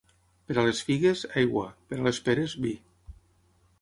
Per a les figues, aigua; per a les peres, vi.